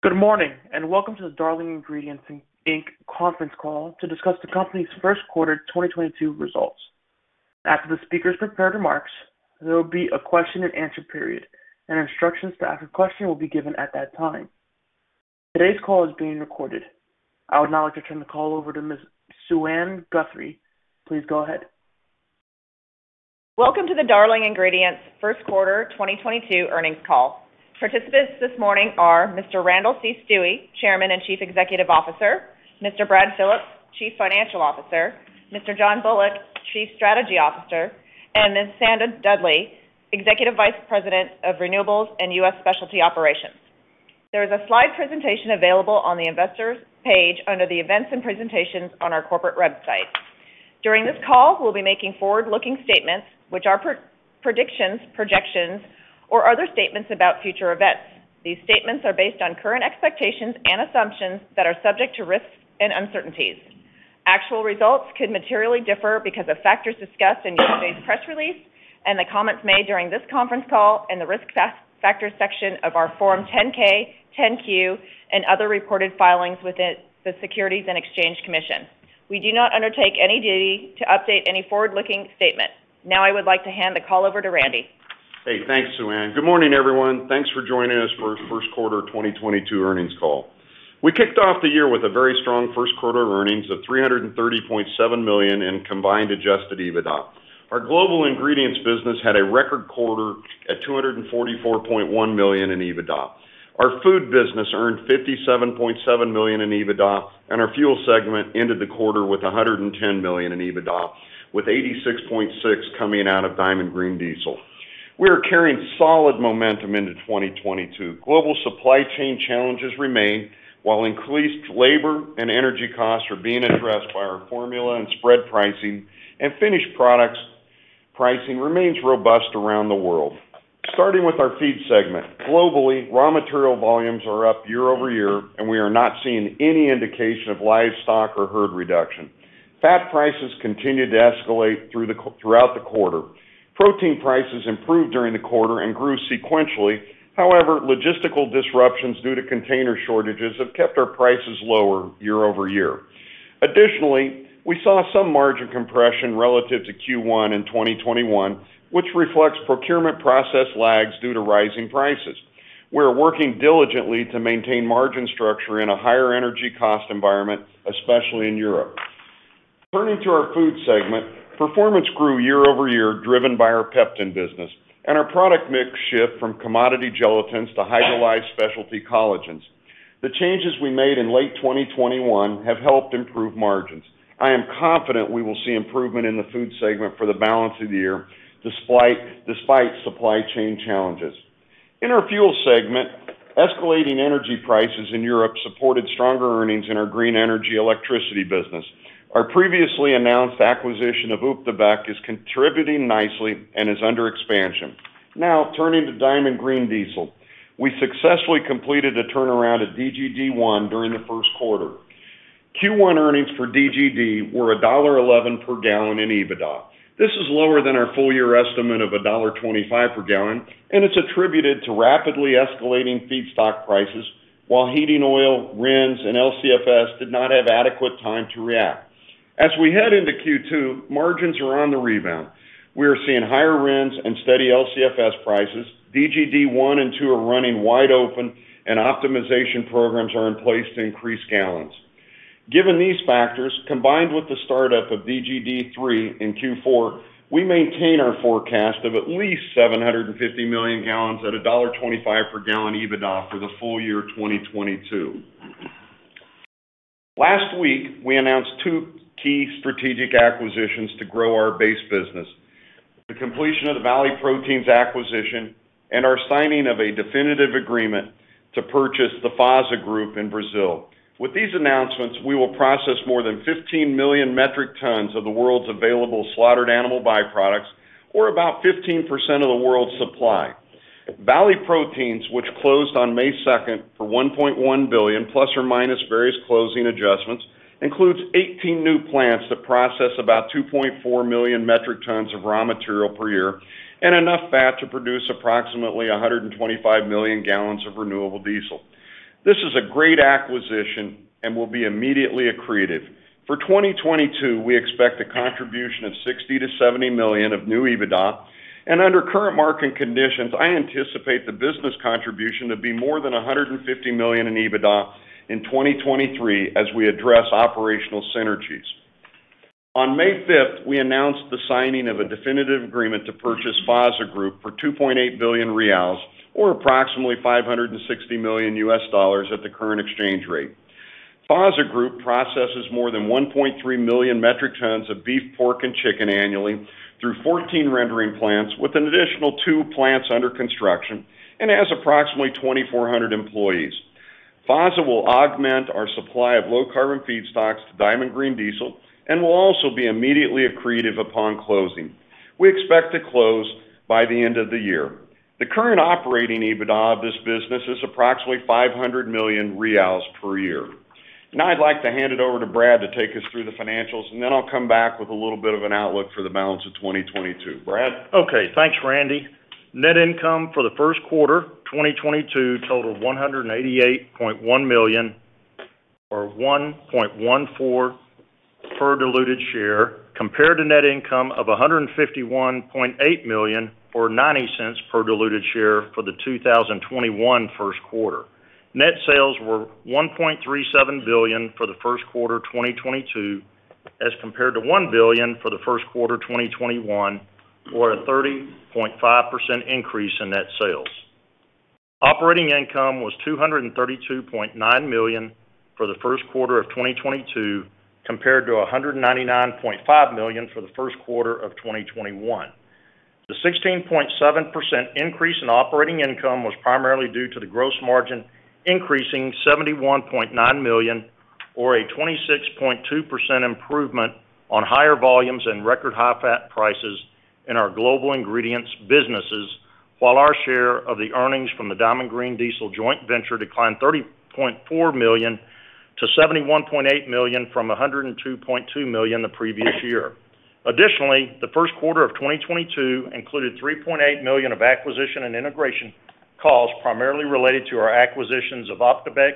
Good morning, and welcome to the Darling Ingredients Inc. conference call to discuss the company's first quarter 2022 results. After the speaker's prepared remarks, there will be a question and answer period, and instructions to ask a question will be given at that time. Today's call is being recorded. I would now like to turn the call over to Ms. Suann Guthrie. Please go ahead. Welcome to the Darling Ingredients first quarter 2022 earnings call. Participants this morning are Mr. Randall C. Stuewe, Chairman and Chief Executive Officer, Mr. Brad Phillips, Chief Financial Officer, Mr. John Bullock, Chief Strategy Officer, and Ms. Sandra Dudley, Executive Vice President of Renewables and U.S. Specialty Operations. There is a slide presentation available on the investor's page under the events and presentations on our corporate website. During this call, we'll be making forward-looking statements which are predictions, projections, or other statements about future events. These statements are based on current expectations and assumptions that are subject to risks and uncertainties. Actual results could materially differ because of factors discussed in yesterday's press release and the comments made during this conference call in the risk factors section of our Form 10-K, 10-Q, and other reported filings within the Securities and Exchange Commission. We do not undertake any duty to update any forward-looking statement. Now, I would like to hand the call over to Randy. Hey, thanks, Suann. Good morning, everyone. Thanks for joining us for our first quarter 2022 earnings call. We kicked off the year with a very strong first quarter earnings of $330.7 million in combined adjusted EBITDA. Our global ingredients business had a record quarter at $244.1 million in EBITDA. Our food business earned $57.7 million in EBITDA, and our fuel segment ended the quarter with $110 million in EBITDA, with $86.6 million coming out of Diamond Green Diesel. We are carrying solid momentum into 2022. Global supply chain challenges remain, while increased labor and energy costs are being addressed by our formula and spread pricing, and finished products pricing remains robust around the world. Starting with our feed segment. Globally, raw material volumes are up year-over-year, and we are not seeing any indication of livestock or herd reduction. Fat prices continued to escalate throughout the quarter. Protein prices improved during the quarter and grew sequentially. However, logistical disruptions due to container shortages have kept our prices lower year-over-year. Additionally, we saw some margin compression relative to Q1 in 2021, which reflects procurement process lags due to rising prices. We're working diligently to maintain margin structure in a higher energy cost environment, especially in Europe. Turning to our food segment, performance grew year-over-year, driven by our Peptan business, and our product mix shift from commodity gelatins to hydrolyzed specialty collagens. The changes we made in late 2021 have helped improve margins. I am confident we will see improvement in the food segment for the balance of the year, despite supply chain challenges. In our fuel segment, escalating energy prices in Europe supported stronger earnings in our green energy electricity business. Our previously announced acquisition of Op de Beeck is contributing nicely and is under expansion. Now, turning to Diamond Green Diesel. We successfully completed a turnaround at DGD one during the first quarter. Q1 earnings for DGD were $1.11 per gallon in EBITDA. This is lower than our full year estimate of $1.25 per gallon, and it's attributed to rapidly escalating feedstock prices while heating oil, RINs, and LCFS did not have adequate time to react. As we head into Q2, margins are on the rebound. We are seeing higher RINs and steady LCFS prices. DGD one and two are running wide open, and optimization programs are in place to increase gallons. Given these factors, combined with the startup of DGD three in Q4, we maintain our forecast of at least 750 million gallons at $1.25 per gallon EBITDA for the full year 2022. Last week, we announced two key strategic acquisitions to grow our base business, the completion of the Valley Proteins acquisition and our signing of a definitive agreement to purchase the FASA Group in Brazil. With these announcements, we will process more than 15 million metric tons of the world's available slaughtered animal byproducts or about 15% of the world's supply. Valley Proteins, which closed on May 2nd for $1.1 billion ± various closing adjustments, includes 18 new plants that process about 2.4 million metric tons of raw material per year and enough fat to produce approximately 125 million gallons of renewable diesel. This is a great acquisition and will be immediately accretive. For 2022, we expect a contribution of $60-70 million of new EBITDA, and under current market conditions, I anticipate the business contribution to be more than $150 million in EBITDA in 2023 as we address operational synergies. On May 5th, we announced the signing of a definitive agreement to purchase FASA Group for 2.8 billion reais or approximately $560 million at the current exchange rate. FASA Group processes more than 1.3 million metric tons of beef, pork, and chicken annually through 14 rendering plants with an additional two plants under construction and has approximately 2,400 employees. FASA will augment our supply of low-carbon feedstocks to Diamond Green Diesel and will also be immediately accretive upon closing. We expect to close by the end of the year. The current operating EBITDA of this business is approximately 500 million reais per year. Now I'd like to hand it over to Brad to take us through the financials, and then I'll come back with a little bit of an outlook for the balance of 2022. Brad? Okay. Thanks, Randy. Net income for the first quarter 2022 totaled $188.1 million or $1.14 per diluted share compared to net income of $151.8 million or $0.90 per diluted share for the 2021 first quarter. Net sales were $1.37 billion for the first quarter of 2022 as compared to $1 billion for the first quarter of 2021, or a 30.5% increase in net sales. Operating income was $232.9 million for the first quarter of 2022 compared to $199.5 million for the first quarter of 2021. The 16.7% increase in operating income was primarily due to the gross margin increasing $71.9 million or a 26.2% improvement on higher volumes and record high fat prices in our global ingredients businesses, while our share of the earnings from the Diamond Green Diesel joint venture declined $30.4 million-$71.8 million from $102.2 million the previous year. Additionally, the first quarter of 2022 included $3.8 million of acquisition and integration costs, primarily related to our acquisitions of Op de Beeck,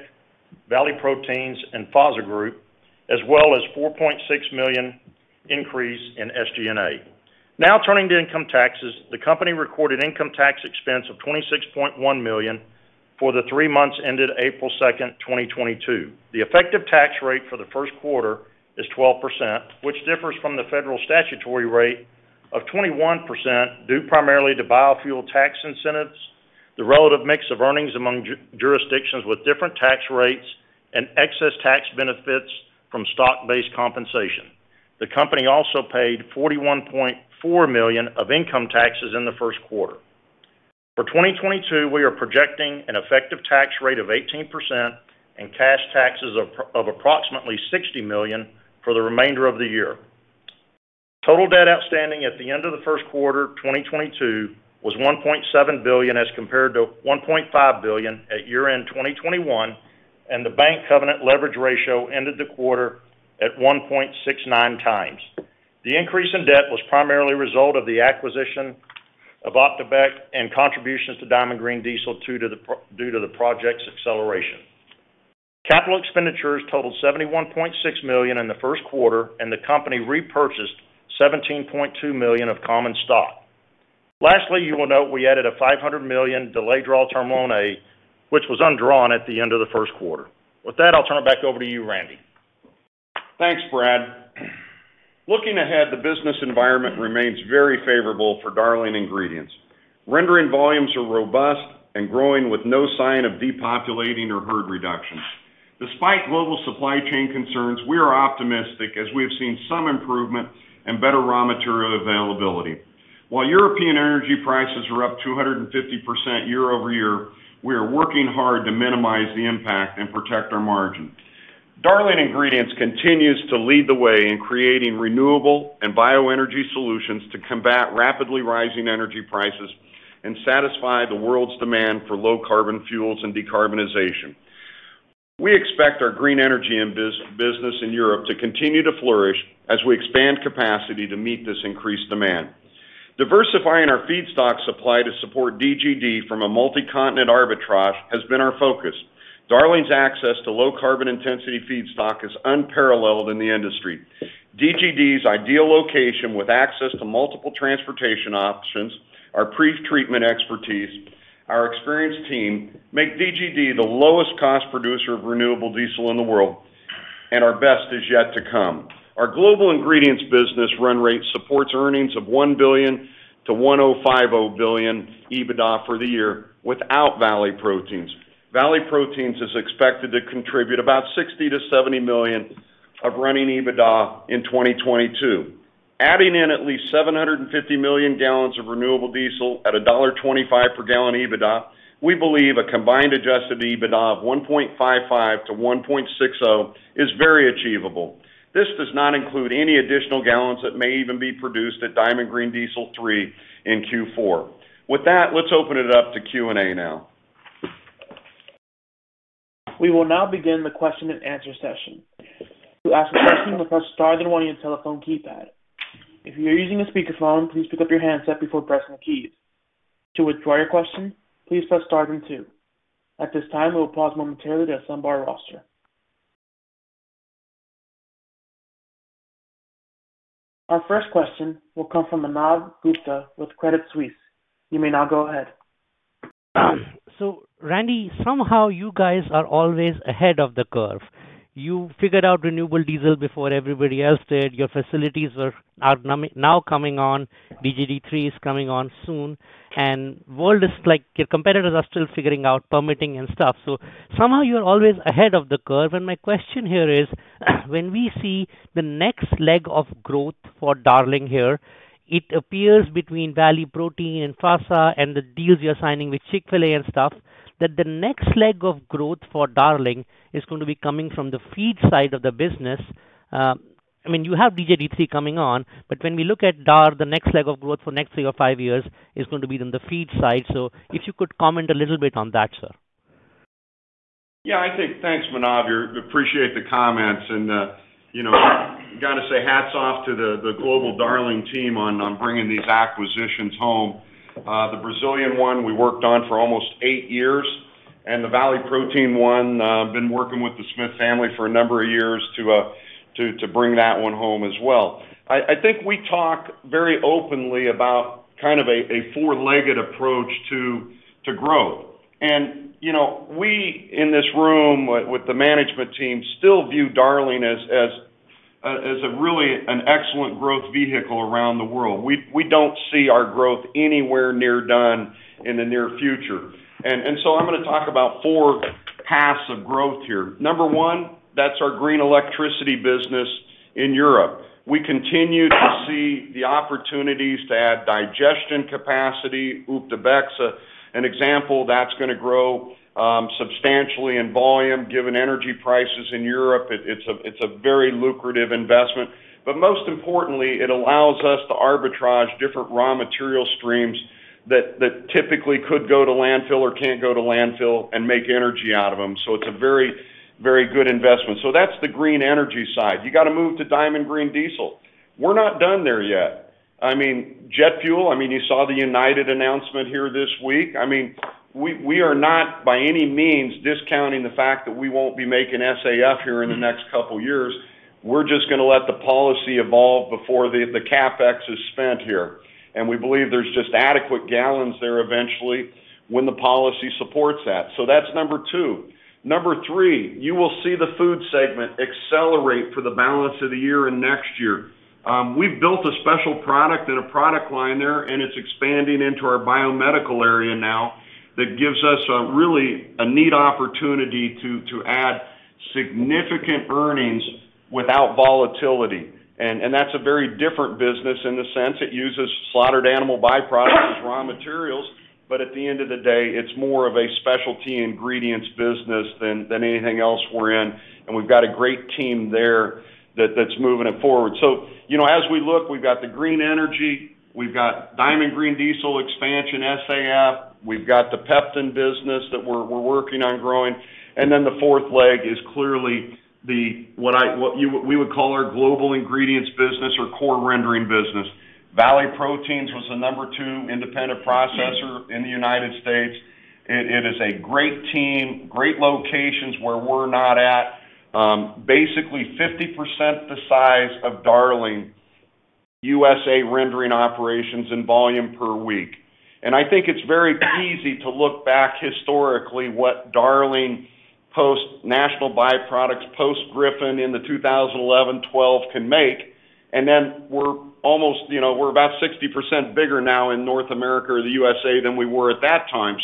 Valley Proteins, and FASA Group, as well as $4.6 million increase in SG&A. Now turning to income taxes. The company recorded income tax expense of $26.1 million for the three months ended April 2, 2022. The effective tax rate for the first quarter is 12%, which differs from the federal statutory rate of 21% due primarily to biofuel tax incentives, the relative mix of earnings among jurisdictions with different tax rates and excess tax benefits from stock-based compensation. The company also paid $41.4 million of income taxes in the first quarter. For 2022, we are projecting an effective tax rate of 18% and cash taxes of approximately $60 million for the remainder of the year. Total debt outstanding at the end of the first quarter of 2022 was $1.7 billion as compared to $1.5 billion at year-end 2021, and the bank covenant leverage ratio ended the quarter at 1.69x. The increase in debt was primarily a result of the acquisition of Op de Beeck and contributions to Diamond Green Diesel due to the project's acceleration. Capital expenditures totaled $71.6 million in the first quarter, and the company repurchased $17.2 million of common stock. Lastly, you will note we added a $500 million delayed draw term loan A, which was undrawn at the end of the first quarter. With that, I'll turn it back over to you, Randy. Thanks, Brad. Looking ahead, the business environment remains very favorable for Darling Ingredients. Rendering volumes are robust and growing with no sign of depopulating or herd reductions. Despite global supply chain concerns, we are optimistic as we have seen some improvement and better raw material availability. While European energy prices are up 250% year-over-year, we are working hard to minimize the impact and protect our margin. Darling Ingredients continues to lead the way in creating renewable and bioenergy solutions to combat rapidly rising energy prices and satisfy the world's demand for low carbon fuels and decarbonization. We expect our green energy and business in Europe to continue to flourish as we expand capacity to meet this increased demand. Diversifying our feedstock supply to support DGD from a multi-continent arbitrage has been our focus. Darling's access to low carbon intensity feedstock is unparalleled in the industry. DGD's ideal location with access to multiple transportation options, our pretreatment expertise, our experienced team make DGD the lowest cost producer of renewable diesel in the world, and our best is yet to come. Our global ingredients business run rate supports earnings of $1 billion-$1.05 billion EBITDA for the year without Valley Proteins. Valley Proteins is expected to contribute about $60 million-$70 million of running EBITDA in 2022. Adding in at least 750 million gallons of renewable diesel at $1.25 per gallon EBITDA, we believe a combined adjusted EBITDA of $1.55-$1.60 is very achievable. This does not include any additional gallons that may even be produced at Diamond Green Diesel Three in Q4. With that, let's open it up to Q&A now. We will now begin the question and answer session. To ask a question, press star then one on your telephone keypad. If you are using a speakerphone, please pick up your handset before pressing keys. To withdraw your question, please press star then two. At this time, we will pause momentarily to assemble our roster. Our first question will come from Manav Gupta with Credit Suisse. You may now go ahead. Randy, somehow you guys are always ahead of the curve. You figured out renewable diesel before everybody else did. Your facilities are now coming on. DGD three is coming on soon, and the world is like, your competitors are still figuring out permitting and stuff. Somehow you are always ahead of the curve. My question here is, when we see the next leg of growth for Darling here, it appears between Valley Proteins and FASA and the deals you're signing with Chick-fil-A and stuff, that the next leg of growth for Darling is going to be coming from the feed side of the business. I mean, you have DGD three coming on. But when we look at DAR, the next leg of growth for next three or five years is going to be on the feed side. If you could comment a little bit on that, sir. Thanks, Manav. Appreciate the comments. Gotta say hats off to the global Darling team on bringing these acquisitions home. The Brazilian one we worked on for almost eight years. The Valley Proteins one, been working with the Smith family for a number of years to bring that one home as well. I think we talk very openly about kind of a four-legged approach to growth. You know we in this room with the management team still view Darling as a really an excellent growth vehicle around the world. We don't see our growth anywhere near done in the near future. I'm gonna talk about four paths of growth here. Number one, that's our green electricity business in Europe. We continue to see the opportunities to add digestion capacity. Op de Beeck an example that's gonna grow substantially in volume given energy prices in Europe. It's a very lucrative investment. Most importantly, it allows us to arbitrage different raw material streams that typically could go to landfill or can't go to landfill and make energy out of them. It's a very, very good investment. That's the green energy side. You got to move to Diamond Green Diesel. We're not done there yet. I mean, jet fuel, I mean, you saw the United Airlines announcement here this week. I mean, we are not by any means discounting the fact that we won't be making SAF here in the next couple years. We're just gonna let the policy evolve before the CapEx is spent here. We believe there's just adequate gallons there eventually when the policy supports that. That's number two. Number three, you will see the food segment accelerate for the balance of the year and next year. We've built a special product and a product line there, and it's expanding into our biomedical area now. That gives us a really neat opportunity to add significant earnings without volatility. That's a very different business in the sense it uses slaughtered animal by-products as raw materials. At the end of the day, it's more of a specialty ingredients business than anything else we're in. We've got a great team there that's moving it forward. You know, as we look, we've got the green energy, we've got Diamond Green Diesel expansion, SAF, we've got the Peptan business that we're working on growing. The fourth leg is clearly what we would call our global ingredients business or core rendering business. Valley Proteins was the number two independent processor in the United States. It is a great team, great locations where we're not at, basically 50% the size of Darling U.S.A. rendering operations and volume per week. I think it's very easy to look back historically what Darling post National By-Products, post Griffin in the 2011, 2012 can make. We're almost, we're about 60% bigger now in North America or the U.S.A. Than we were at that time.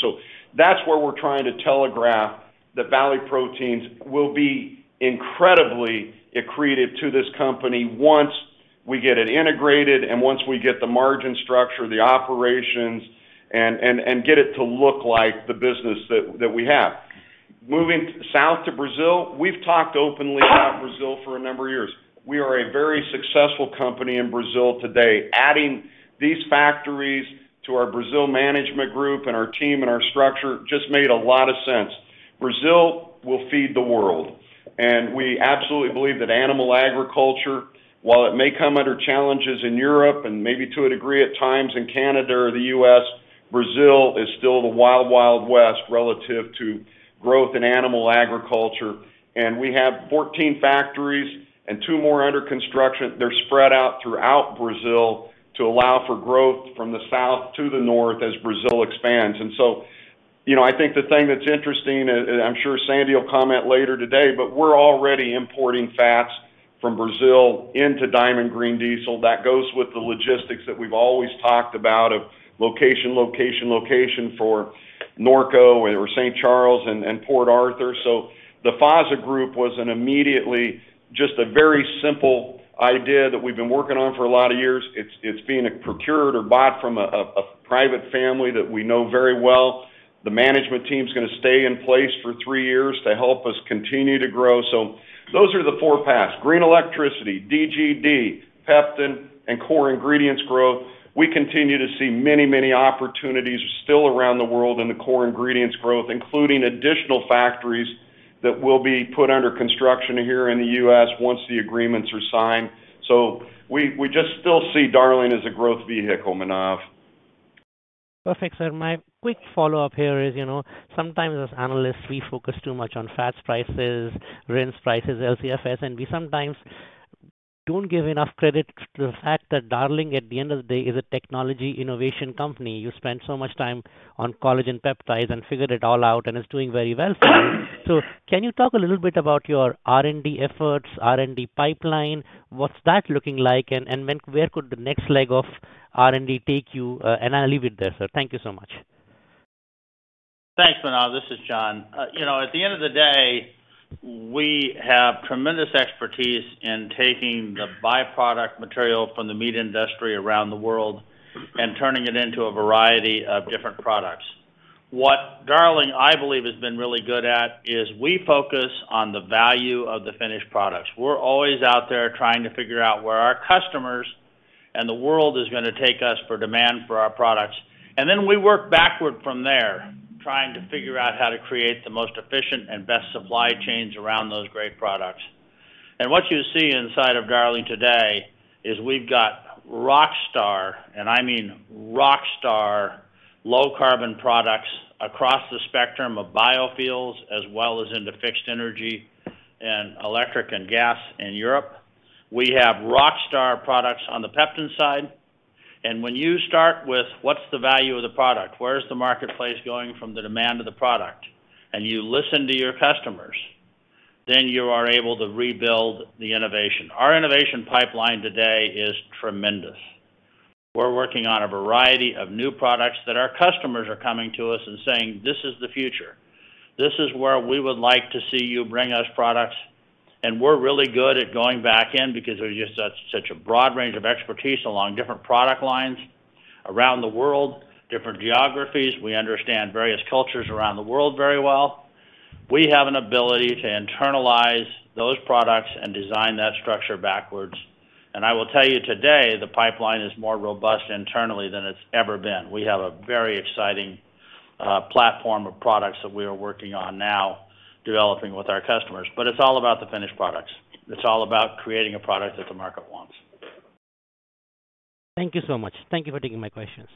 That's where we're trying to telegraph that Valley Proteins will be incredibly accretive to this company once we get it integrated and once we get the margin structure, the operations, and get it to look like the business that we have. Moving south to Brazil. We've talked openly about Brazil for a number of years. We are a very successful company in Brazil today. Adding these factories to our Brazil management group and our team and our structure just made a lot of sense. Brazil will feed the world, and we absolutely believe that animal agriculture, while it may come under challenges in Europe and maybe to a degree at times in Canada or the U.S., Brazil is still the wild west relative to growth in animal agriculture. We have 14 factories and two more under construction. They're spread out throughout Brazil to allow for growth from the south to the north as Brazil expands. You know, I think the thing that's interesting, and I'm sure Sandy will comment later today, but we're already importing fats from Brazil into Diamond Green Diesel. That goes with the logistics that we've always talked about of location, location for Norco or St. Charles and Port Arthur. The FASA Group was an immediately just a very simple idea that we've been working on for a lot of years. It's being procured or bought from a private family that we know very well. The management team's gonna stay in place for three years to help us continue to grow. Those are the four paths, green electricity, DGD, Peptan, and core ingredients growth. We continue to see many, many opportunities still around the world in the core ingredients growth, including additional factories that will be put under construction here in the U.S. once the agreements are signed. We just still see Darling as a growth vehicle, Manav. Perfect, sir. My quick follow-up here is, you know, sometimes as analysts, we focus too much on fats prices, RINs prices, LCFS, and we sometimes don't give enough credit to the fact that Darling, at the end of the day, is a technology innovation company. You spend so much time on collagen peptides and figured it all out, and it's doing very well for you. Can you talk a little bit about your R&D efforts, R&D pipeline? What's that looking like, and where could the next leg of R&D take you? And I'll leave it there, sir. Thank you so much. Thanks, Manav. This is John. You know, at the end of the day, we have tremendous expertise in taking the byproduct material from the meat industry around the world and turning it into a variety of different products. What Darling, I believe, has been really good at is we focus on the value of the finished products. We're always out there trying to figure out where our customers and the world is gonna take us for demand for our products. Then we work backward from there trying to figure out how to create the most efficient and best supply chains around those great products. What you see inside of Darling today is we've got rock star, and I mean rock star, low carbon products across the spectrum of biofuels as well as into fixed energy and electric and gas in Europe. We have rock star products on the Peptan side. When you start with what's the value of the product, where's the marketplace going from the demand of the product, and you listen to your customers, then you are able to rebuild the innovation. Our innovation pipeline today is tremendous. We're working on a variety of new products that our customers are coming to us and saying, "This is the future. This is where we would like to see you bring us products." We're really good at going back in because there's just such a broad range of expertise along different product lines around the world, different geographies. We understand various cultures around the world very well. We have an ability to internalize those products and design that structure backwards. I will tell you today, the pipeline is more robust internally than it's ever been. We have a very exciting platform of products that we are working on now developing with our customers. It's all about the finished products. It's all about creating a product that the market wants. Thank you so much. Thank you for taking my questions.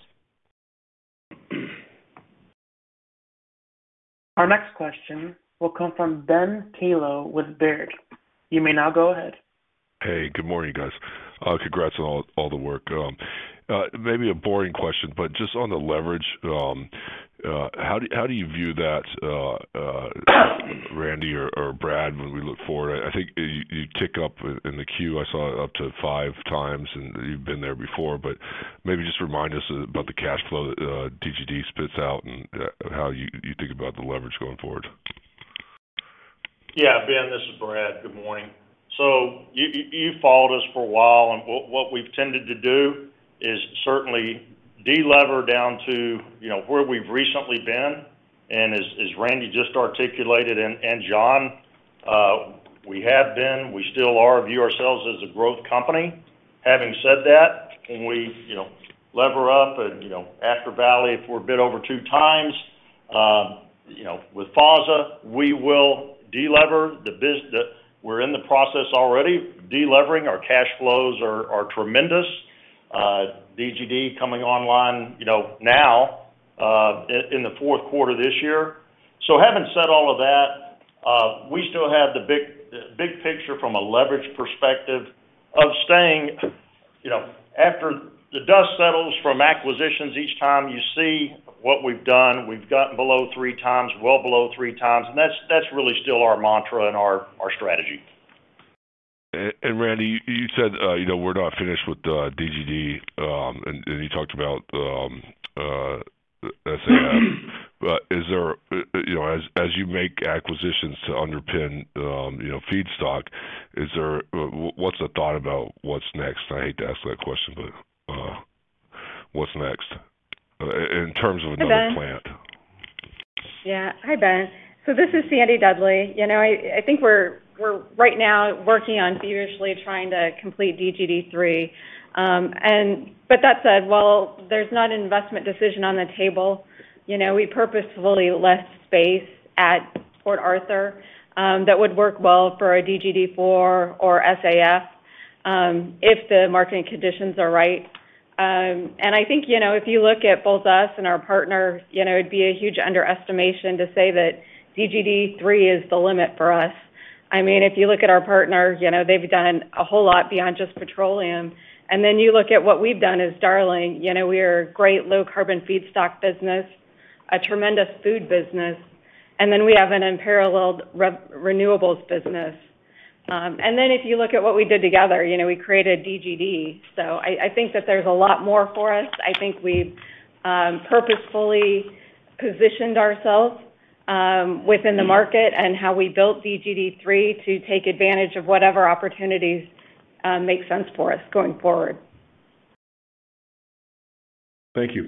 Our next question will come from Ben Kallo with Baird. You may now go ahead. Hey, good morning, guys. Congrats on all the work. Maybe a boring question, but just on the leverage, how do you view that, Randy or Brad, when we look forward? I think you tick up in the queue. I saw it up to 5x, and you've been there before, but maybe just remind us about the cash flow that DGD spits out and how you think about the leverage going forward. Ben, this is Brad. Good morning. So you you've followed us for a while, and what we've tended to do is certainly de-lever down to, you know, where we've recently been. As Randy just articulated, and John, we have been, we still are, view ourselves as a growth company. Having said that, can we, you know, lever up and, you know, after Valley, if we're a bit over 2x, you know, with FASA, we will de-lever. We're in the process already de-levering. Our cash flows are tremendous. DGD coming online, you know, now, in the fourth quarter this year. Having said all of that, we still have the big picture from a leverage perspective of staying, you know, after the dust settles from acquisitions, each time you see what we've done, we've gotten below three times, well below three times, and that's really still our mantra and our strategy. Randy, you said, you know, we're not finished with DGD, and you talked about SAF. Is there, you know, as you make acquisitions to underpin, you know, feedstock, what's the thought about what's next? I hate to ask that question, but what's next in terms of another plant? Hi, Ben. This is Sandy Dudley. You know, I think we're right now working furiously on trying to complete DGD three. But that said, while there's not an investment decision on the table, you know, we purposefully left space at Port Arthur that would work well for a DGD four or SAF if the marketing conditions are right. I think, you know, if you look at both us and our partner, you know, it'd be a huge underestimation to say that DGD three is the limit for us. I mean, if you look at our partner, you know, they've done a whole lot beyond just petroleum. Then you look at what we've done as Darling, you know, we are a great low carbon feedstock business, a tremendous food business, and then we have an unparalleled renewables business. If you look at what we did together, you know, we created DGD. I think that there's a lot more for us. I think we've purposefully positioned ourselves within the market and how we built DGD three to take advantage of whatever opportunities make sense for us going forward. Thank you.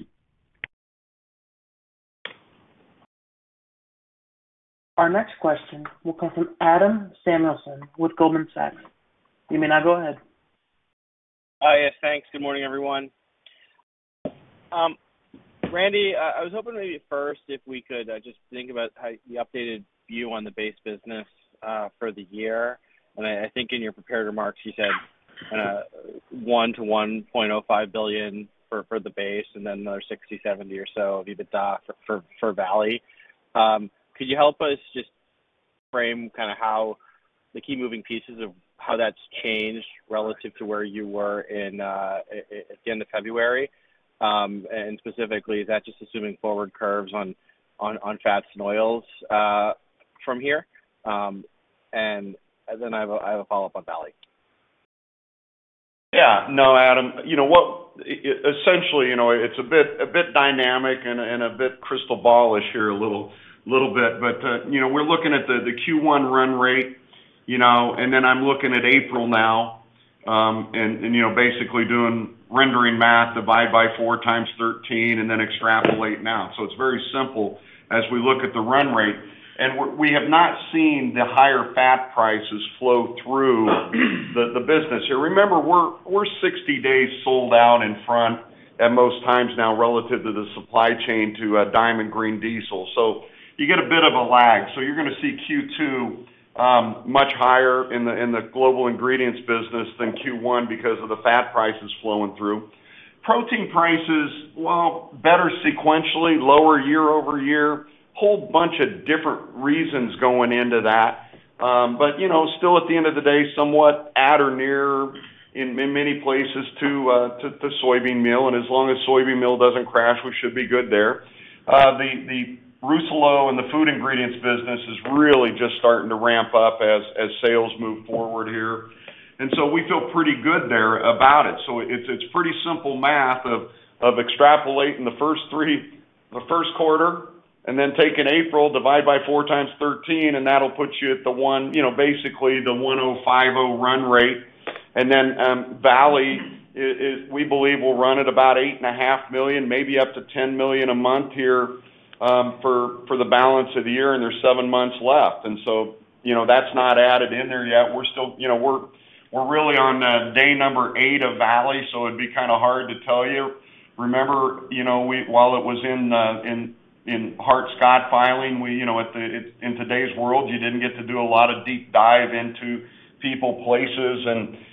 Our next question will come from Adam Samuelson with Goldman Sachs. You may now go ahead. Hi. Yes, thanks. Good morning, everyone. Randy, I was hoping maybe first if we could just think about how the updated view on the base business for the year. I think in your prepared remarks you said, $1 billion-$1.05 billion for the base and then another $60-$70 or so EBITDA for Valley. Could you help us just frame kinda how the key moving pieces of how that's changed relative to where you were at the end of February? I have a follow-up on Valley. No, Adam, you know what? Essentially, you know, it's a bit dynamic and a bit crystal ball-ish here a little bit. You know, we're looking at the Q1 run rate, you know, and then I'm looking at April now. You know, basically doing rendering math divide by 4x 13 and then extrapolate now. It's very simple as we look at the run rate, and we have not seen the higher fat prices flow through the business here. Remember, we're 60 days sold out in front at most times now relative to the supply chain to Diamond Green Diesel. You're gonna see Q2 much higher in the global ingredients business than Q1 because of the fat prices flowing through. Protein prices, well, better sequentially, lower year-over-year. Whole bunch of different reasons going into that. You know, still at the end of the day, somewhat at or near in many places to soybean meal. As long as soybean meal doesn't crash, we should be good there. The Rousselot and the food ingredients business is really just starting to ramp up as sales move forward here. We feel pretty good there about it. It's pretty simple math of extrapolating the first quarter, and then taking April divide by 4x 13, and that'll put you at the $1,050, you know, basically the $1,050 run rate. Valley we believe will run at about $8.5 million, maybe up to $10 million a month here, for the balance of the year, and there's seven months left. You know, that's not added in there yet. We're still, you know, we're really on day number eight of Valley Proteins, so it'd be kinda hard to tell you. Remember, you know, while it was in Hart-Scott-Rodino filing, we, you know, in today's world, you didn't get to do a lot of deep dive into people, places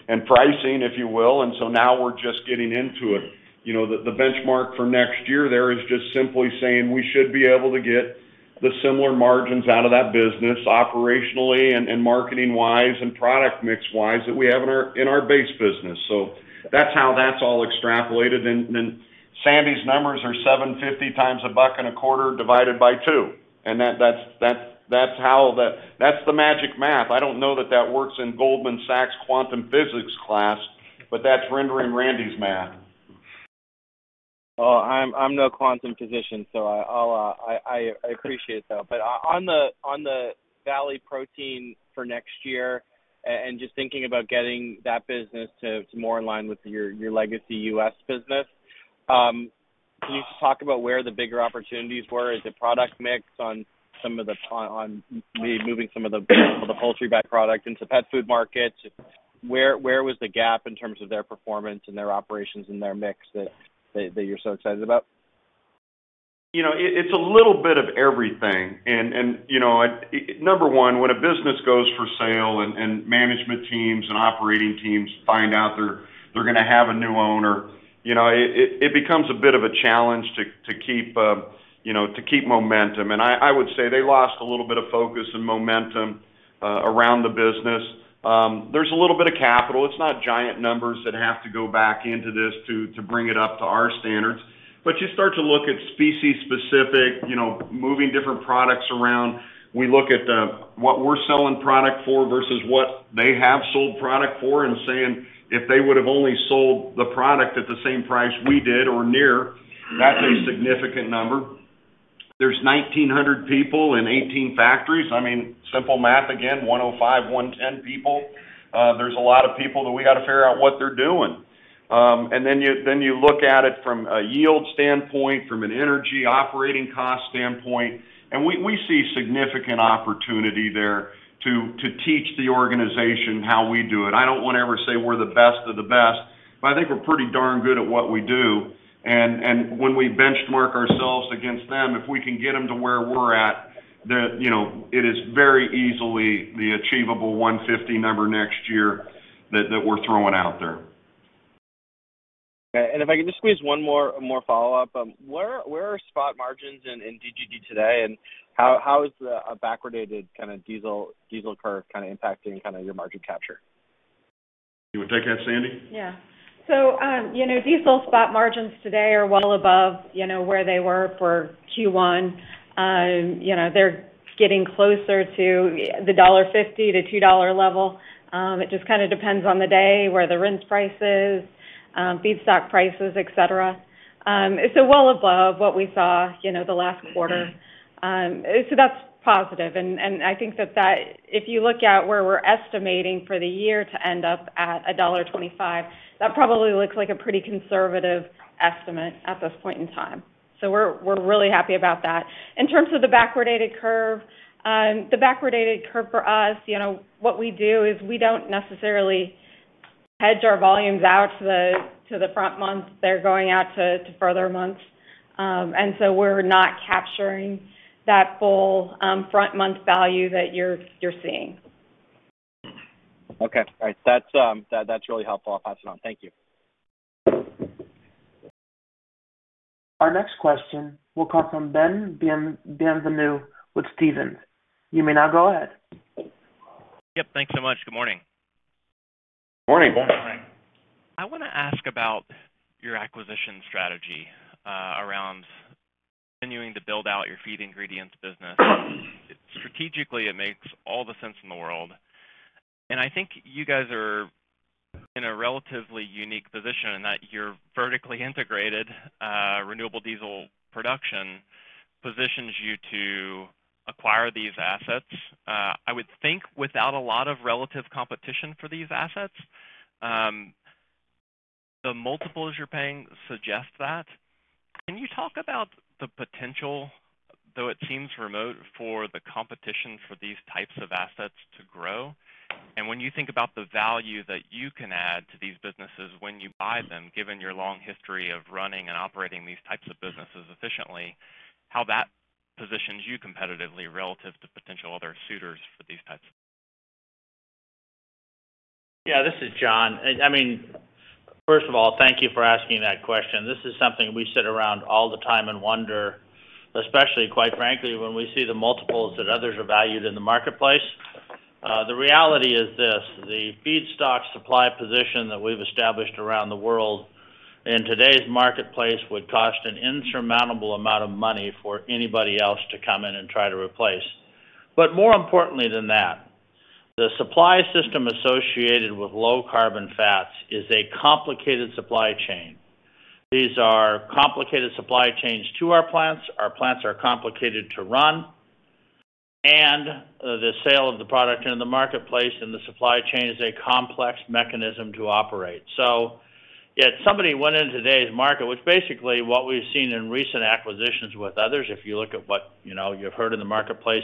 and pricing, if you will. Now we're just getting into it. You know, the benchmark for next year there is just simply saying we should be able to get the similar margins out of that business operationally and marketing wise and product mix wise that we have in our base business. That's how that's all extrapolated. Then Sandy's numbers are 750x $1.25 divided by two. That's how the magic math. I don't know that that works in Goldman Sachs quantum physics class, but that's rendering Randy's math. Well, I'm no quantum physicist, so I'll appreciate that. On the Valley Proteins for next year and just thinking about getting that business to more in line with your legacy U.S. business, can you just talk about where the bigger opportunities were? Is it product mix, on removing some of the poultry byproducts into pet food markets? Where was the gap in terms of their performance and their operations and their mix that you're so excited about? You know, it's a little bit of everything. You know, number one, when a business goes for sale and management teams and operating teams find out they're gonna have a new owner, you know, it becomes a bit of a challenge to keep, you know, momentum. I would say they lost a little bit of focus and momentum around the business. There's a little bit of capital. It's not giant numbers that have to go back into this to bring it up to our standards. You start to look at species specific, you know, moving different products around. We look at what we're selling product for versus what they have sold product for and saying, if they would have only sold the product at the same price we did or near, that's a significant number. There's 1,900 people in 18 factories. I mean, simple math, again, 105, 110 people. There's a lot of people that we got to figure out what they're doing. And then you look at it from a yield standpoint, from an energy operating cost standpoint, and we see significant opportunity there to teach the organization how we do it. I don't wanna ever say we're the best of the best, but I think we're pretty darn good at what we do. when we benchmark ourselves against them, if we can get them to where we're at, the, you know, it is very easily the achievable 150 number next year that we're throwing out there. Okay. If I can just squeeze one more follow-up. Where are spot margins in DGD today? How is the backwardated kind of diesel curve kind of impacting your margin capture? You wanna take that, Sandy? Yeah. You know, diesel spot margins today are well above, you know, where they were for Q1. You know, they're getting closer to the $1.50-$2 level. It just kinda depends on the day, where the RINs price is, feedstock prices, et cetera. It's well above what we saw, you know, the last quarter. That's positive. I think that if you look at where we're estimating for the year to end up at $1.25, that probably looks like a pretty conservative estimate at this point in time. We're really happy about that. In terms of the backwardated curve, the backwardated curve for us, you know, what we do is we don't necessarily hedge our volumes out to the front month. They're going out to further months. We're not capturing that full front month value that you're seeing. Okay. All right. That's really helpful. I'll pass it on. Thank you. Our next question will come from Ben Bienvenu with Stephens. You may now go ahead. Yep. Thanks so much. Good morning. Morning. Good morning. I wanna ask about your acquisition strategy around continuing to build out your feed ingredients business. Strategically, it makes all the sense in the world. I think you guys are in a relatively unique position in that you're vertically integrated, renewable diesel production. Positions you to acquire these assets, I would think without a lot of relative competition for these assets. The multiples you're paying suggest that. Can you talk about the potential, though it seems remote, for the competition for these types of assets to grow? When you think about the value that you can add to these businesses when you buy them, given your long history of running and operating these types of businesses efficiently, how that positions you competitively relative to potential other suitors for these types of Yeah, this is John. I mean, first of all, thank you for asking that question. This is something we sit around all the time and wonder, especially, quite frankly, when we see the multiples that others are valued in the marketplace. The reality is this: the feedstock supply position that we've established around the world in today's marketplace would cost an insurmountable amount of money for anybody else to come in and try to replace. More importantly than that, the supply system associated with low carbon fats is a complicated supply chain. These are complicated supply chains to our plants. Our plants are complicated to run, and the sale of the product in the marketplace and the supply chain is a complex mechanism to operate. If somebody went into today's market, which is basically what we've seen in recent acquisitions with others, if you look at what, you know, you've heard in the marketplace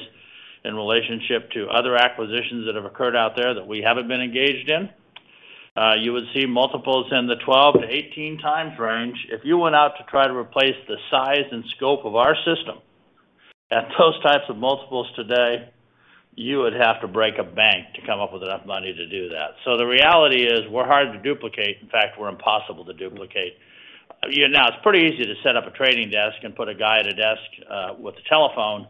in relationship to other acquisitions that have occurred out there that we haven't been engaged in, you would see multiples in the 12-18x range. If you went out to try to replace the size and scope of our system at those types of multiples today, you would have to break the bank to come up with enough money to do that. The reality is we're hard to duplicate. In fact, we're impossible to duplicate. You know, it's pretty easy to set up a trading desk and put a guy at a desk with a telephone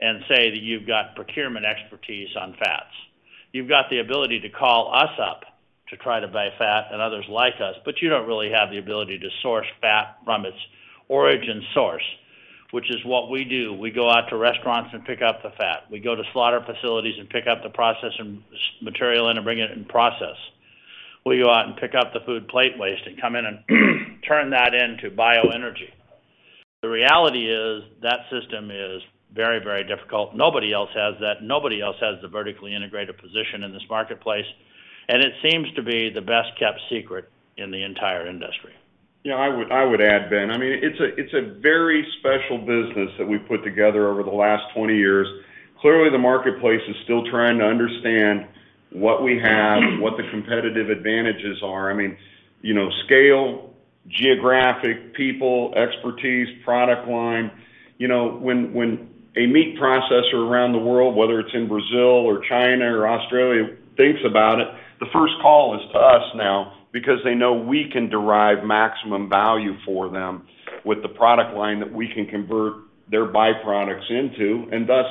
and say that you've got procurement expertise on fats. You've got the ability to call us up to try to buy fat and others like us, but you don't really have the ability to source fat from its origin source, which is what we do. We go out to restaurants and pick up the fat. We go to slaughter facilities and pick up the process and s-material and bring it in process. We go out and pick up the food plate waste and come in and turn that into bio energy. The reality is that system is very, very difficult. Nobody else has that. Nobody else has the vertically integrated position in this marketplace, and it seems to be the best kept secret in the entire industry. You know, I would add, Ben, I mean, it's a very special business that we put together over the last 20 years. Clearly, the marketplace is still trying to understand what we have, what the competitive advantages are. I mean, you know, scale, geographic, people, expertise, product line. You know, when a meat processor around the world, whether it's in Brazil or China or Australia, thinks about it, the first call is to us now because they know we can derive maximum value for them with the product line that we can convert their byproducts into, and thus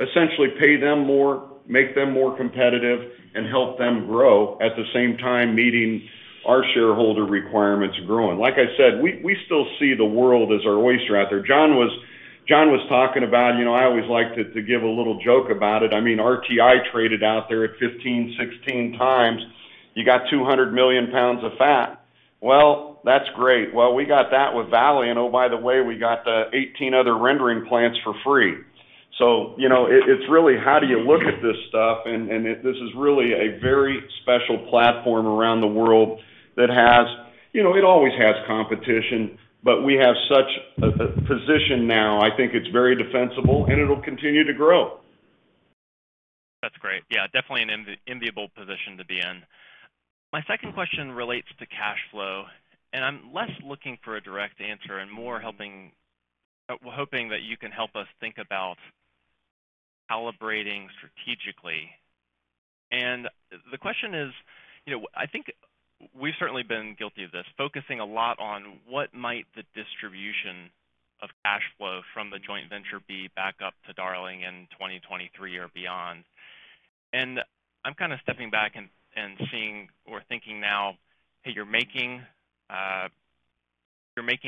essentially pay them more, make them more competitive, and help them grow. At the same time, meeting our shareholder requirements growing. Like I said, we still see the world as our oyster out there. John was talking about, you know, I always like to give a little joke about it. I mean, RTI traded out there at 15-16x. You got 200 million pounds of fat. Well, that's great. Well, we got that with Valley, and oh, by the way, we got the 18 other rendering plants for free. You know, it's really how do you look at this stuff? This is really a very special platform around the world that has. You know, it always has competition, but we have such a position now, I think it's very defensible, and it'll continue to grow. That's great. Yeah, definitely an enviable position to be in. My second question relates to cash flow, and I'm less looking for a direct answer and more hoping that you can help us think about calibrating strategically. The question is, you know, I think we've certainly been guilty of this, focusing a lot on what might the distribution of cash flow from the joint venture be back up to Darling in 2023 or beyond. I'm kinda stepping back and seeing or thinking now that you're making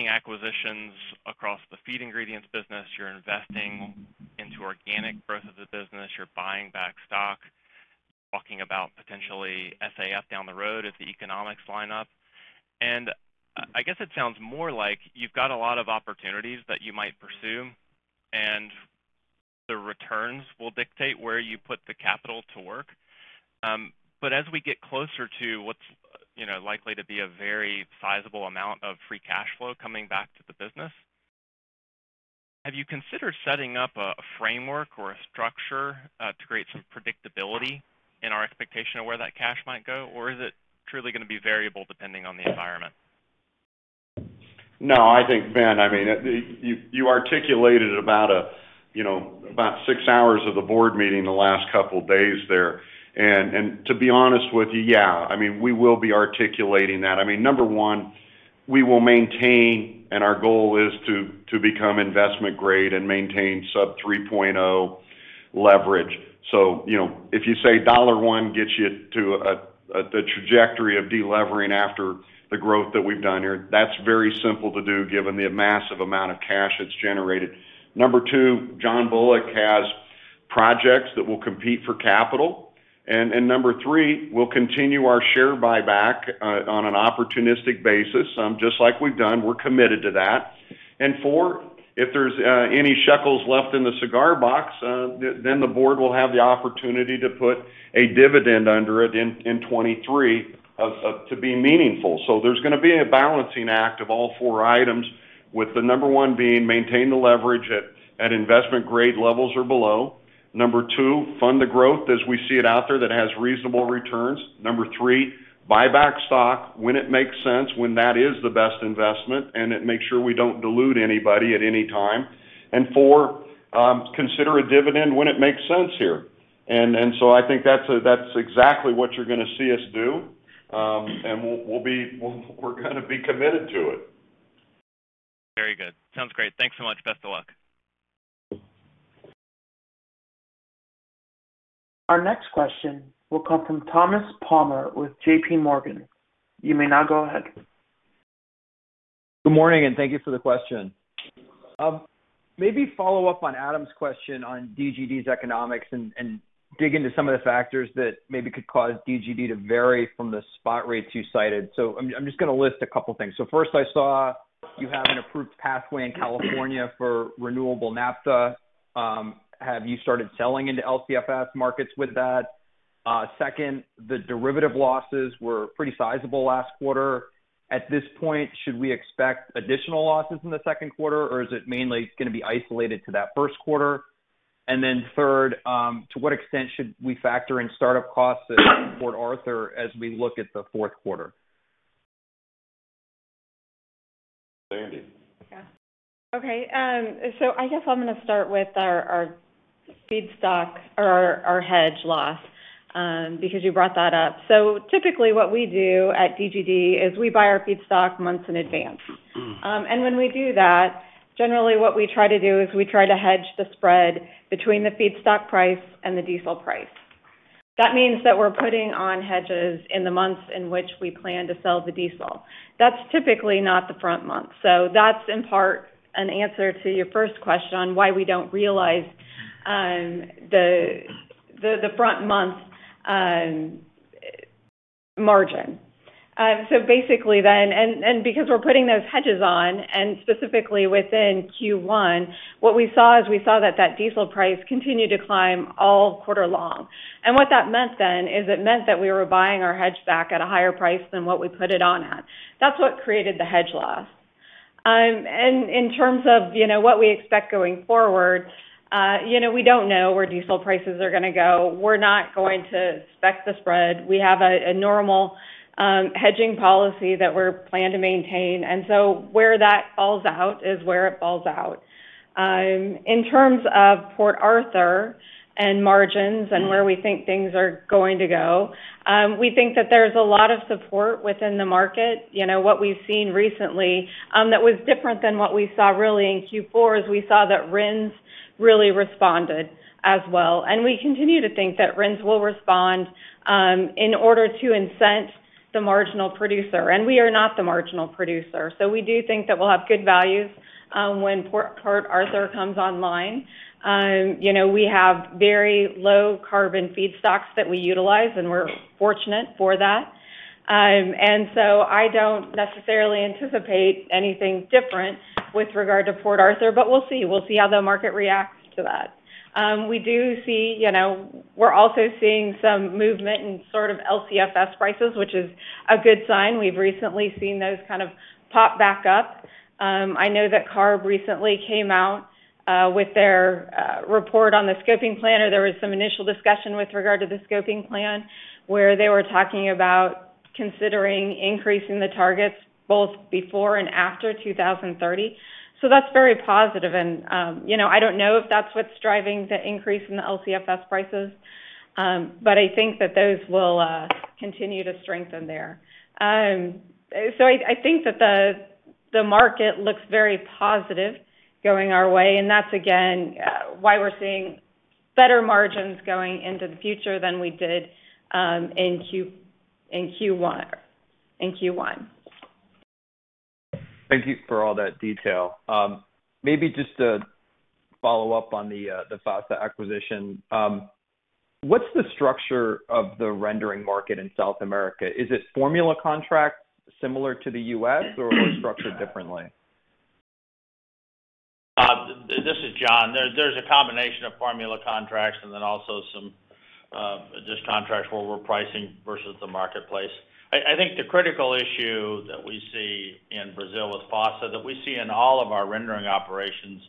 acquisitions across the feed ingredients business, you're investing into organic growth of the business, you're buying back stock, talking about potentially SAF down the road if the economics line up. I guess it sounds more like you've got a lot of opportunities that you might pursue, and the returns will dictate where you put the capital to work. As we get closer to what's, you know, likely to be a very sizable amount of free cash flow coming back to the business, have you considered setting up a framework or a structure to create some predictability in our expectation of where that cash might go? Is it truly gonna be variable depending on the environment? No, I think, Ben, I mean, you articulated about, you know, about six hours of the board meeting the last couple of days there. To be honest with you, yeah, I mean, we will be articulating that. I mean, number one, we will maintain, and our goal is to become investment grade and maintain sub 3.0 leverage. You know, if you say $1 gets you to the trajectory of delevering after the growth that we've done here, that's very simple to do given the massive amount of cash it's generated. Number two, John Bullock has- Projects that will compete for capital. Number three, we'll continue our share buyback on an opportunistic basis, just like we've done. We're committed to that. Number four, if there's any shekels left in the cigar box, then the board will have the opportunity to put a dividend under it in 2023 to be meaningful. There's gonna be a balancing act of all four items, with number one being maintain the leverage at investment grade levels or below. Number two, fund the growth as we see it out there that has reasonable returns. Number three, buy back stock when it makes sense, when that is the best investment, and it makes sure we don't dilute anybody at any time. Number four, consider a dividend when it makes sense here. I think that's exactly what you're gonna see us do. We're gonna be committed to it. Very good. Sounds great. Thanks so much. Best of luck. Our next question will come from Thomas Palmer with JPMorgan. You may now go ahead. Good morning, and thank you for the question. Maybe follow up on Adam's question on DGD's economics and dig into some of the factors that maybe could cause DGD to vary from the spot rates you cited. I'm just gonna list a couple things. First, I saw you have an approved pathway in California for renewable naphtha. Have you started selling into LCFS markets with that? Second, the derivative losses were pretty sizable last quarter. At this point, should we expect additional losses in the second quarter, or is it mainly gonna be isolated to that first quarter? Third, to what extent should we factor in startup costs at Port Arthur as we look at the fourth quarter? Sandy? Okay. I guess I'm gonna start with our feedstock or our hedge loss, because you brought that up. Typically what we do at DGD is we buy our feedstock months in advance. When we do that, generally what we try to do is we hedge the spread between the feedstock price and the diesel price. That means that we're putting on hedges in the months in which we plan to sell the diesel. That's typically not the front month. That's in part an answer to your first question on why we don't realize the front month margin. Basically then, because we're putting those hedges on, and specifically within Q1, what we saw is that diesel price continued to climb all quarter long. What that meant then is it meant that we were buying our hedge back at a higher price than what we put it on at. That's what created the hedge loss. In terms of, you know, what we expect going forward, you know, we don't know where diesel prices are gonna go. We're not going to spec the spread. We have a normal hedging policy that we're planning to maintain, and so where that falls out is where it falls out. In terms of Port Arthur and margins and where we think things are going to go, we think that there's a lot of support within the market. You know, what we've seen recently, that was different than what we saw really in Q4, is we saw that RINs really responded as well. We continue to think that RINs will respond, in order to incent the marginal producer, and we are not the marginal producer. We do think that we'll have good values, when Port Arthur comes online. You know, we have very low carbon feedstocks that we utilize, and we're fortunate for that. I don't necessarily anticipate anything different with regard to Port Arthur, but we'll see. We'll see how the market reacts to that. We do see, you know. We're also seeing some movement in sort of LCFS prices, which is a good sign. We've recently seen those kind of pop back up. I know that CARB recently came out with their report on the Scoping Plan, or there was some initial discussion with regard to the Scoping Plan, where they were talking about considering increasing the targets both before and after 2030. That's very positive and, you know, I don't know if that's what's driving the increase in the LCFS prices, but I think that those will continue to strengthen there. I think that the market looks very positive going our way, and that's again why we're seeing better margins going into the future than we did in Q1. Thank you for all that detail. Maybe just to follow up on the FASA acquisition. What's the structure of the rendering market in South America? Is it formula contracts similar to the U.S., or are they structured differently? This is John. There's a combination of formula contracts and then also some just contracts where we're pricing versus the marketplace. I think the critical issue that we see in Brazil with FASA, that we see in all of our rendering operations,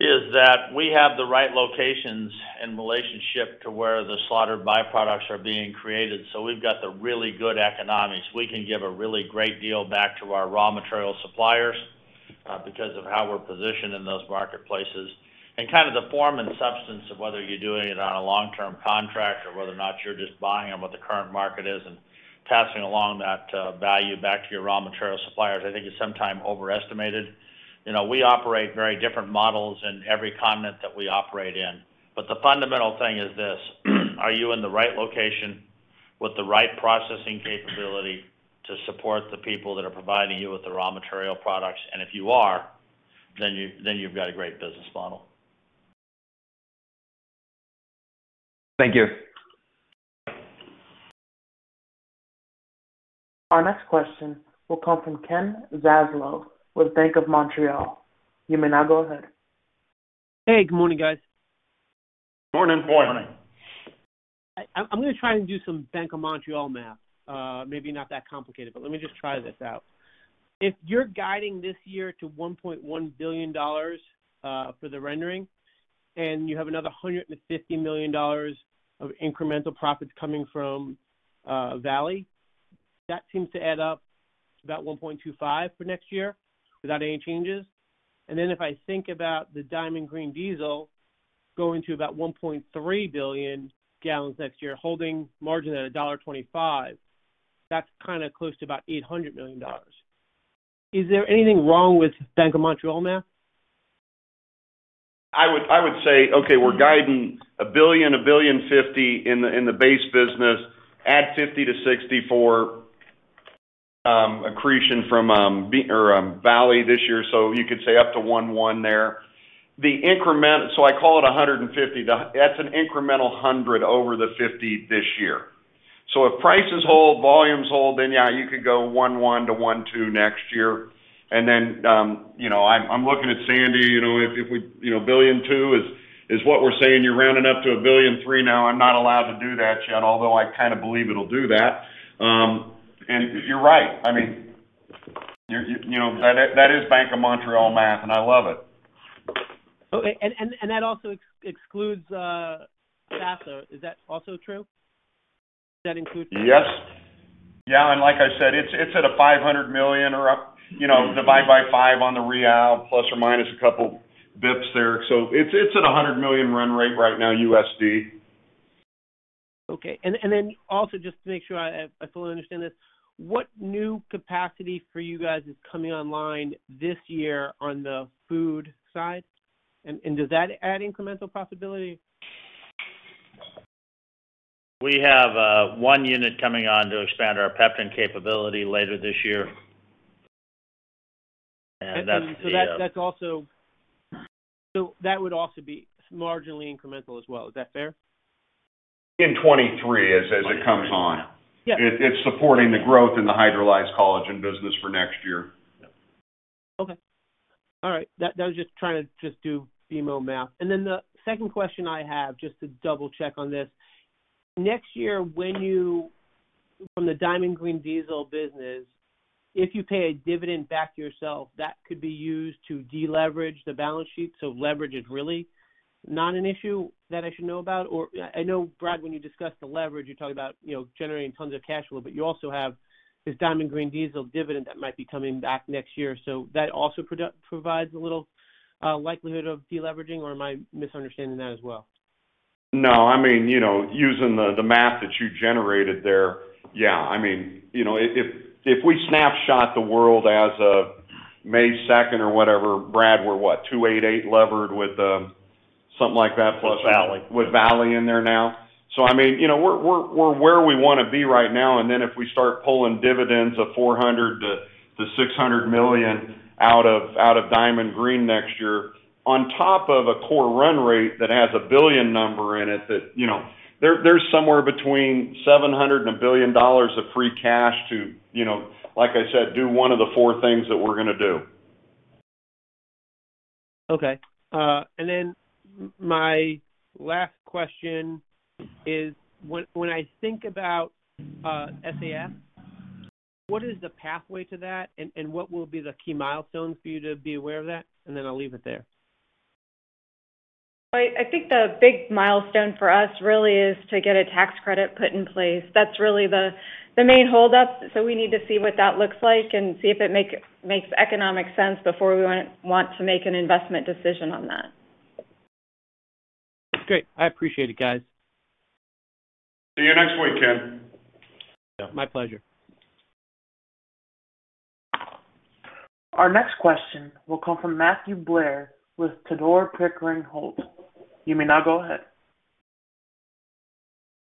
is that we have the right locations in relationship to where the slaughtered byproducts are being created. So we've got the really good economics. We can give a really great deal back to our raw material suppliers because of how we're positioned in those marketplaces. Kind of the form and substance of whether you're doing it on a long-term contract or whether or not you're just buying on what the current market is and passing along that value back to your raw material suppliers, I think is sometimes overestimated. You know, we operate very different models in every continent that we operate in. The fundamental thing is this: Are you in the right location with the right processing capability to support the people that are providing you with the raw material products? If you are, then you've got a great business model. Thank you. Our next question will come from Ken Zaslow with Bank of Montreal. You may now go ahead. Hey, good morning, guys. Good morning. Good morning. I'm going to try and do some Bank of Montreal math. Maybe not that complicated, but let me just try this out. If you're guiding this year to $1.1 billion for the rendering, and you have another $150 million of incremental profits coming from Valley, that seems to add up to about $1.25 for next year without any changes. If I think about the Diamond Green Diesel going to about 1.3 billion gallons next year, holding margin at $1.25, that's kind of close to about $800 million. Is there anything wrong with Bank of Montreal math? I would say, okay, we're guiding $1.05 billion in the base business at $50-$64 accretion from Valley this year. You could say up to $1.1 billion there. I call it $150. That's an incremental $100 over the $50 this year. If prices hold, volumes hold, then yeah, you could go $1.1 billion-$1.2 billion next year. You know, I'm looking at Sandy, you know, if we, you know, $1.2 billion is what we're saying, you're rounding up to $1.3 billion now. I'm not allowed to do that yet, although I kind of believe it'll do that. You're right. I mean, you know, that is Bank of Montreal math, and I love it. Okay. That also excludes SAF. Is that also true? Does that include- Yes. Yeah, like I said, it's at 500 million or up, you know, divide by five on the real, plus or minus a couple basis points there. It's at a $100 million run rate right now, USD. Okay. Just to make sure I fully understand this, what new capacity for you guys is coming online this year on the food side? Does that add incremental possibility? We have one unit coming on to expand our Peptan capability later this year. That's the. That would also be marginally incremental as well. Is that fair? In 2023 as it comes on. Yeah. It's supporting the growth in the hydrolyzed collagen business for next year. Okay. All right. That was just trying to just do BMO math. Then the second question I have, just to double check on this. Next year, from the Diamond Green Diesel business, if you pay a dividend back to yourself, that could be used to deleverage the balance sheet, so leverage is really not an issue that I should know about? Or I know, Brad, when you discussed the leverage, you talked about, you know, generating tons of cash flow, but you also have this Diamond Green Diesel dividend that might be coming back next year. That also provides a little likelihood of deleveraging, or am I misunderstanding that as well? No. I mean, you know, using the math that you generated there, yeah. I mean, you know, if we snapshot the world as of May second or whatever, Brad, we're what? 2.88 levered with something like that plus- With Valley. With Valley in there now. I mean, you know, we're where we wanna be right now, and then if we start pulling dividends of $400 million-$600 million out of Diamond Green Diesel next year, on top of a core run rate that has a $1 billion number in it. You know, there's somewhere between $700 million and $1 billion of free cash to, you know, like I said, do one of the four things that we're gonna do. Okay. My last question is when I think about SAF, what is the pathway to that? What will be the key milestones for you to be aware of that? I'll leave it there. I think the big milestone for us really is to get a tax credit put in place. That's really the main hold up. We need to see what that looks like and see if it makes economic sense before we want to make an investment decision on that. Great. I appreciate it, guys. See you next week, Ken. My pleasure. Our next question will come from Matthew Blair with Tudor, Pickering, Holt. You may now go ahead.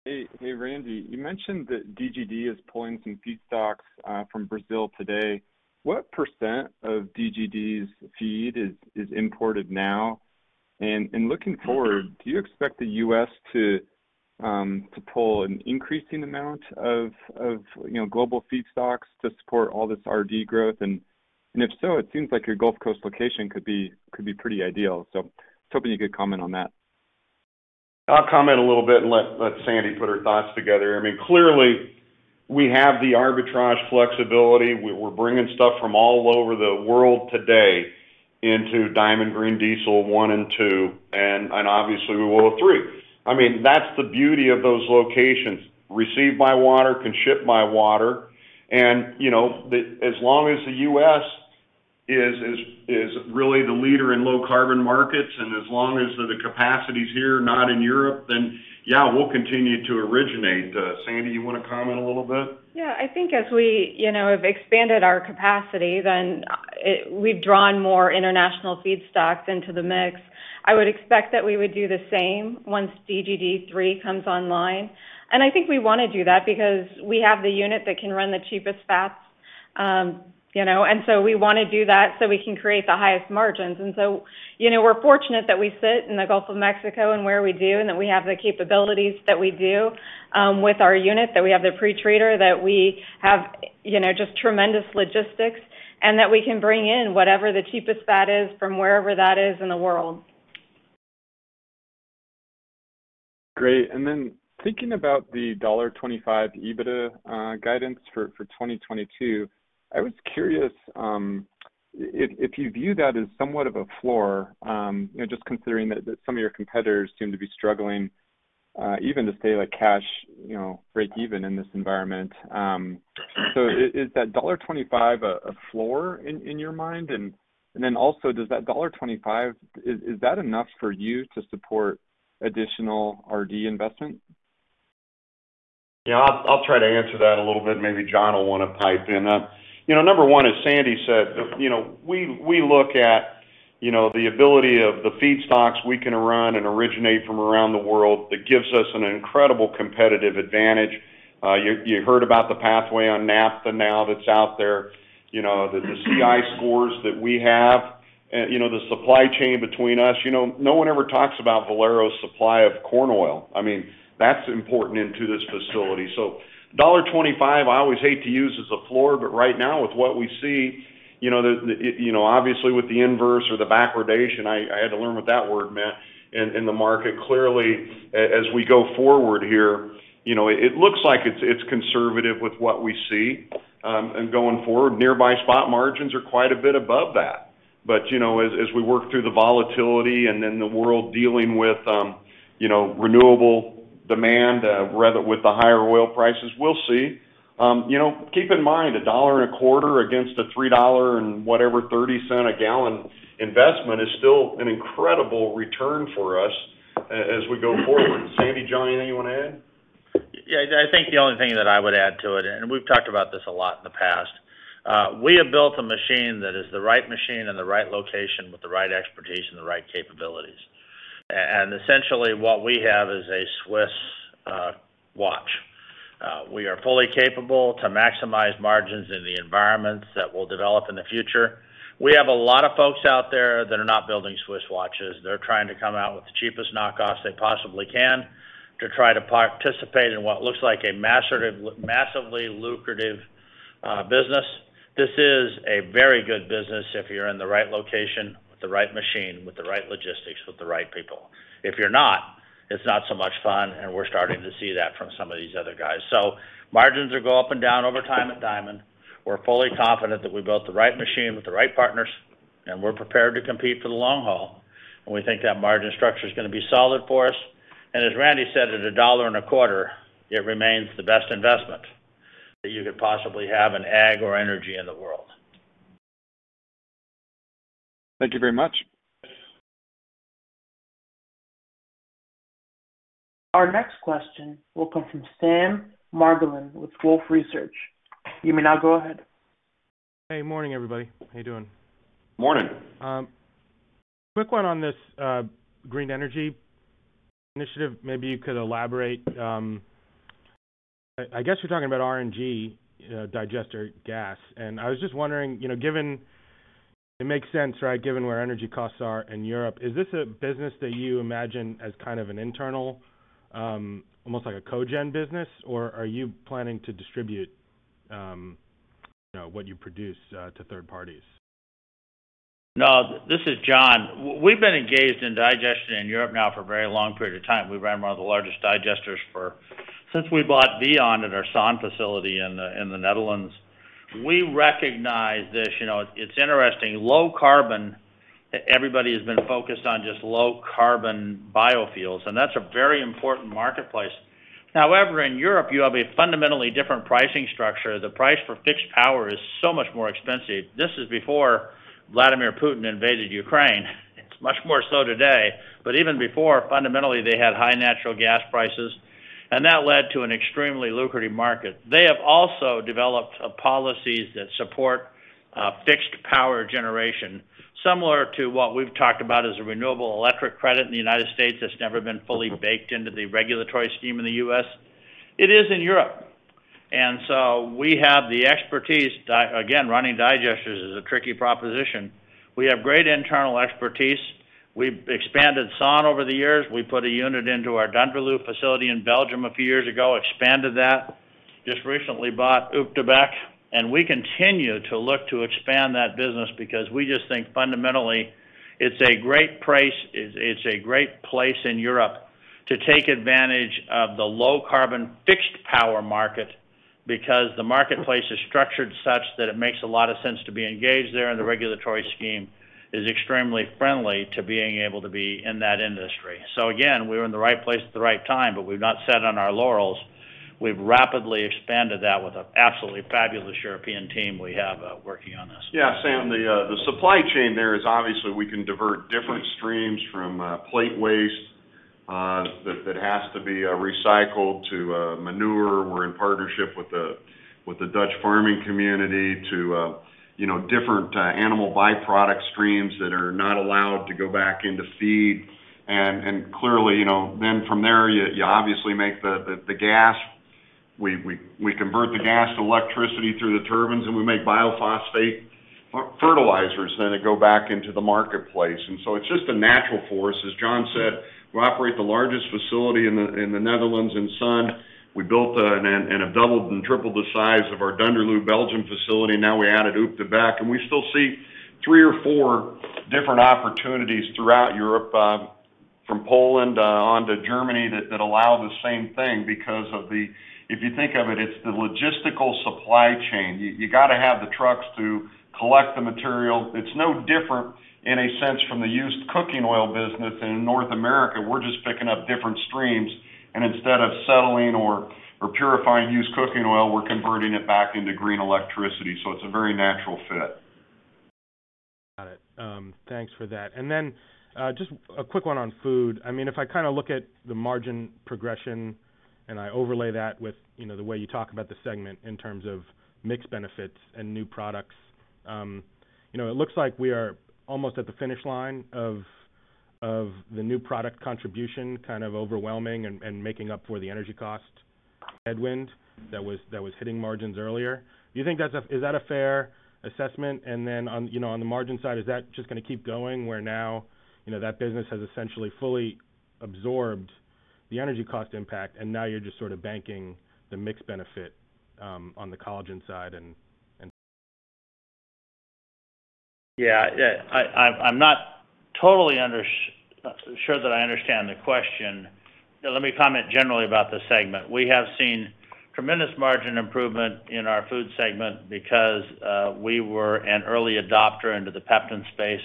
Hey. Hey, Randy. You mentioned that DGD is pulling some feedstocks from Brazil today. What percent of DGD's feed is imported now? Looking forward, do you expect the U.S. to pull an increasing amount of global feedstocks to support all this RD growth? If so, it seems like your Gulf Coast location could be pretty ideal. I was hoping you could comment on that. I'll comment a little bit and let Sandy put her thoughts together. I mean, clearly, we have the arbitrage flexibility. We're bringing stuff from all over the world today into Diamond Green Diesel one and two, and obviously we will with three. I mean, that's the beauty of those locations. Received by water, can ship by water. You know, as long as the U.S. is really the leader in low carbon markets, and as long as the capacity is here, not in Europe, then yeah, we'll continue to originate. Sandy, you wanna comment a little bit? Yeah. I think as we, you know, have expanded our capacity, then, we've drawn more international feedstocks into the mix. I would expect that we would do the same once DGD three comes online. I think we wanna do that because we have the unit that can run the cheapest fats. You know, we wanna do that so we can create the highest margins. You know, we're fortunate that we sit in the Gulf of Mexico and where we do, and that we have the capabilities that we do, with our unit, that we have the pre-treater, you know, just tremendous logistics, and that we can bring in whatever the cheapest that is from wherever that is in the world. Great. Then thinking about the $25 EBITDA guidance for 2022, I was curious if you view that as somewhat of a floor, you know, just considering that some of your competitors seem to be struggling even to stay like cash, you know, break even in this environment. So is that $25 a floor in your mind? Then also does that $25 is that enough for you to support additional R&D investment? Yeah. I'll try to answer that a little bit. Maybe John will wanna pipe in. You know, number one, as Sandy said, you know, we look at you know, the ability of the feedstocks we can run and originate from around the world that gives us an incredible competitive advantage. You heard about the pathway on naphtha now that's out there. You know, the CI scores that we have. You know, the supply chain between us. You know, no one ever talks about Valero's supply of corn oil. I mean, that's important into this facility. $1.25, I always hate to use as a floor, but right now with what we see, you know, obviously, with the inverse or the backwardation, I had to learn what that word meant, in the market. Clearly, as we go forward here, you know, it looks like it's conservative with what we see, and going forward. Nearby spot margins are quite a bit above that. You know, as we work through the volatility and then the world dealing with, you know, renewable demand, rather with the higher oil prices, we'll see. You know, keep in mind, $1.25 against a $3 and whatever $0.30 a gallon investment is still an incredible return for us as we go forward. Sandy, John, anything you wanna add? Yeah. I think the only thing that I would add to it, and we've talked about this a lot in the past, we have built a machine that is the right machine in the right location with the right expertise and the right capabilities. Essentially what we have is a Swiss watch. We are fully capable to maximize margins in the environments that we'll develop in the future. We have a lot of folks out there that are not building Swiss watches. They're trying to come out with the cheapest knock-offs they possibly can to try to participate in what looks like a massively lucrative business. This is a very good business if you're in the right location, with the right machine, with the right logistics, with the right people. If you're not, it's not so much fun, and we're starting to see that from some of these other guys. Margins will go up and down over time at Diamond. We're fully confident that we built the right machine with the right partners, and we're prepared to compete for the long haul, and we think that margin structure is gonna be solid for us. As Randy said, at $1.25, it remains the best investment that you could possibly have in ag or energy in the world. Thank you very much. Our next question will come from Sam Margolin with Wolfe Research. You may now go ahead. Hey, morning, everybody. How you doing? Morning. Quick one on this, green energy initiative. Maybe you could elaborate. I guess you're talking about RNG, digester gas. I was just wondering, you know, given it makes sense, right? Given where energy costs are in Europe, is this a business that you imagine as kind of an internal, almost like a co-gen business, or are you planning to distribute, you know, what you produce, to third parties? No. This is John. We've been engaged in digestion in Europe now for a very long period of time. We ran one of the largest digesters since we bought VION at our Son facility in the Netherlands. We recognize this. You know, it's interesting. Low carbon, everybody has been focused on just low carbon biofuels, and that's a very important marketplace. However, in Europe, you have a fundamentally different pricing structure. The price for fixed power is so much more expensive. This is before Vladimir Putin invaded Ukraine. It's much more so today. Even before, fundamentally, they had high natural gas prices, and that led to an extremely lucrative market. They have also developed policies that support fixed power generation, similar to what we've talked about as a renewable energy credit in the United States that's never been fully baked into the regulatory scheme in the U.S. It is in Europe. We have the expertise. Again, running digesters is a tricky proposition. We have great internal expertise. We've expanded Son over the years. We put a unit into our Denderleeuw facility in Belgium a few years ago, expanded that. Just recently bought Op de Beeck. We continue to look to expand that business because we just think fundamentally it's a great price. It's a great place in Europe to take advantage of the low carbon fixed power market because the marketplace is structured such that it makes a lot of sense to be engaged there, and the regulatory scheme is extremely friendly to being able to be in that industry. Again, we're in the right place at the right time, but we've not sat on our laurels. We've rapidly expanded that with an absolutely fabulous European team we have, working on this. Yeah, Sam, the supply chain there is obviously we can divert different streams from plate waste that has to be recycled to manure. We're in partnership with the Dutch farming community to different animal by-product streams that are not allowed to go back into feed. Clearly, you know, then from there you obviously make the gas. We convert the gas to electricity through the turbines, and we make biophosphate fertilizers then that go back into the marketplace. It's just a natural course. As John said, we operate the largest facility in the Netherlands in Son. We built and have doubled and tripled the size of our Denderleeuw, Belgium facility; now we added Ootmarsum. We still see three or four different opportunities throughout Europe, from Poland on to Germany that allow the same thing because of the. If you think of it's the logistical supply chain. You gotta have the trucks to collect the material. It's no different in a sense from the used cooking oil business in North America. We're just picking up different streams, and instead of settling or purifying used cooking oil, we're converting it back into green electricity. It's a very natural fit. Got it. Thanks for that. Just a quick one on food. I mean, if I kinda look at the margin progression, and I overlay that with, you know, the way you talk about the segment in terms of mix benefits and new products, you know, it looks like we are almost at the finish line of the new product contribution kind of overwhelming and making up for the energy cost headwind that was hitting margins earlier. Do you think that's a fair assessment? On, you know, on the margin side, is that just gonna keep going where now, you know, that business has essentially fully absorbed the energy cost impact and now you're just sort of banking the mix benefit, on the collagen side and, I'm not totally sure that I understand the question. Let me comment generally about the segment. We have seen tremendous margin improvement in our food segment because we were an early adopter into the Peptan space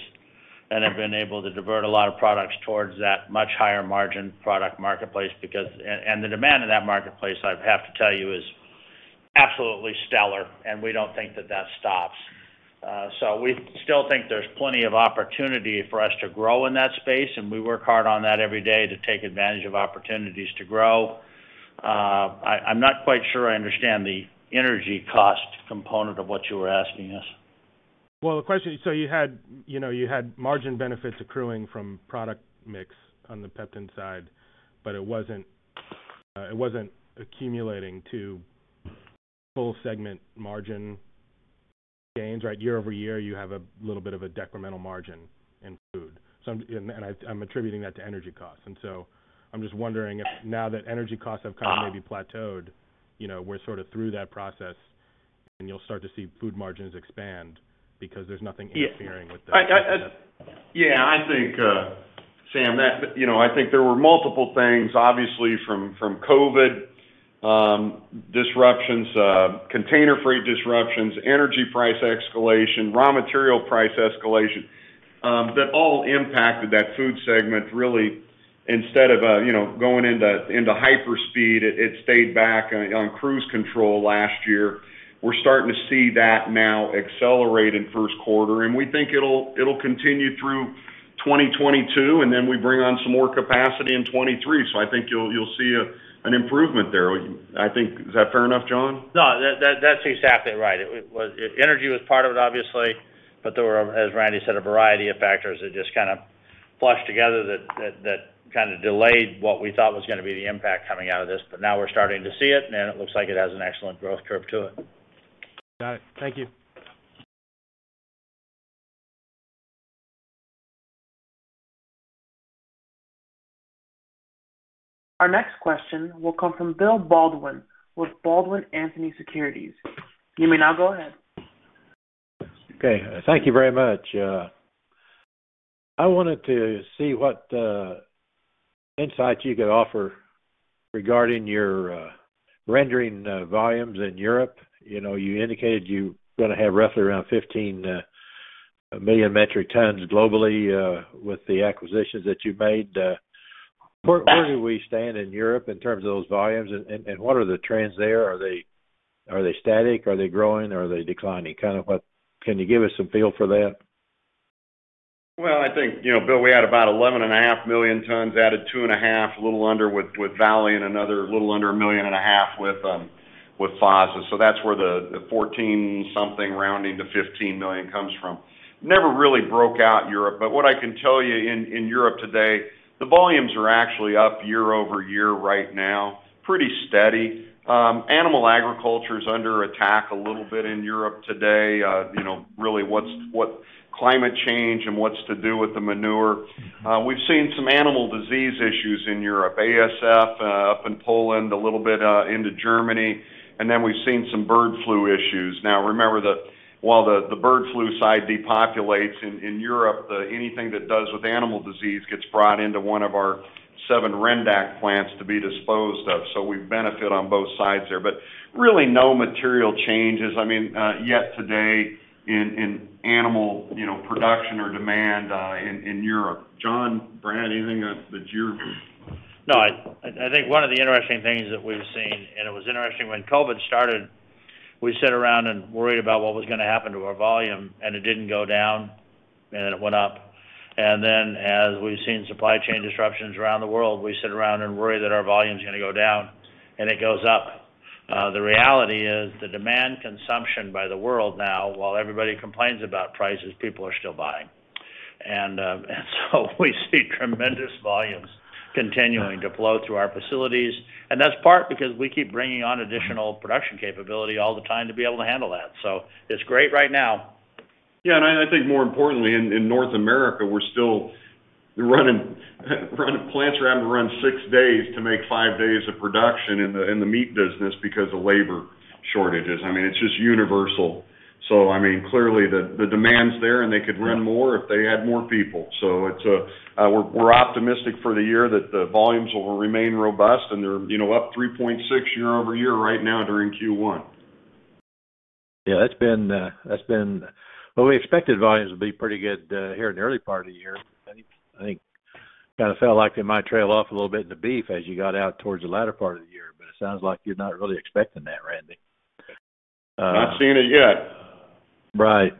and have been able to divert a lot of products towards that much higher margin product marketplace because and the demand in that marketplace, I have to tell you, is absolutely stellar, and we don't think that stops. We still think there's plenty of opportunity for us to grow in that space, and we work hard on that every day to take advantage of opportunities to grow. I'm not quite sure I understand the energy cost component of what you were asking us. Well, the question. You had, you know, you had margin benefits accruing from product mix on the Peptan side, but it wasn't accumulating to full segment margin gains, right? Year-over-year, you have a little bit of a decremental margin in food. I'm attributing that to energy costs. I'm just wondering if now that energy costs have kind of maybe plateaued, you know, we're sort of through that process, and you'll start to see food margins expand because there's nothing interfering with the. Yeah. I think, Sam, that, you know, I think there were multiple things, obviously, from COVID disruptions, container freight disruptions, energy price escalation, raw material price escalation, that all impacted that food segment really. Instead of, you know, going into hyperspeed, it stayed back on cruise control last year. We're starting to see that now accelerate in first quarter, and we think it'll continue through 2022, and then we bring on some more capacity in 2023. I think you'll see an improvement there. Is that fair enough, John? No. That's exactly right. Energy was part of it, obviously, but there were, as Randy said, a variety of factors that just kind of meshed together that kind of delayed what we thought was gonna be the impact coming out of this. Now we're starting to see it, and it looks like it has an excellent growth curve to it. Got it. Thank you. Our next question will come from Bill Baldwin with Baldwin Anthony Securities. You may now go ahead. Okay. Thank you very much. I wanted to see what insights you could offer regarding your rendering volumes in Europe. You know, you indicated you gonna have roughly around 15 million metric tons globally with the acquisitions that you made. Where do we stand in Europe in terms of those volumes? What are the trends there? Are they static? Are they growing? Are they declining? Can you give us some feel for that? Well, I think, you know, Bill, we had about 11.5 million tons, added two and a half, a little under with Valley and another little under a million and a half with FASA. So that's where the 14-something rounding to 15 million comes from. Never really broke out Europe, but what I can tell you in Europe today, the volumes are actually up year-over-year right now. Pretty steady. Animal agriculture is under attack a little bit in Europe today, you know, really what climate change and what's to do with the manure. We've seen some animal disease issues in Europe, ASF, up in Poland, a little bit into Germany, and then we've seen some bird flu issues. Now, remember that while the bird flu side depopulates in Europe, anything that does with animal disease gets brought into one of our seven Rendac plants to be disposed of. We benefit on both sides there. Really no material changes, I mean, yet today in animal, you know, production or demand in Europe. John, Brad, anything that you're- No, I think one of the interesting things that we've seen, and it was interesting when COVID started, we sat around and worried about what was gonna happen to our volume, and it didn't go down, and it went up. Then as we've seen supply chain disruptions around the world, we sit around and worry that our volume's gonna go down, and it goes up. The reality is the demand consumption by the world now, while everybody complains about prices, people are still buying. We see tremendous volumes continuing to flow through our facilities. That's part because we keep bringing on additional production capability all the time to be able to handle that. It's great right now. Yeah. I think more importantly, in North America, plants are having to run six days to make five days of production in the meat business because of labor shortages. I mean, it's just universal. I mean, clearly, the demand's there, and they could run more if they had more people. We're optimistic for the year that the volumes will remain robust and they're, you know, up 3.6% year-over-year right now during Q1. Yeah, that's been. Well, we expected volumes to be pretty good here in the early part of the year. I think kinda felt like they might trail off a little bit in the beef as you got out towards the latter part of the year, but it sounds like you're not really expecting that, Randy. Not seeing it yet. Right.